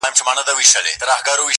چي یې واورم درد مي هېر سي چي درد من یم٫